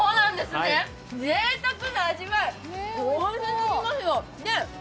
ぜいたくな味がおいしすぎますよ。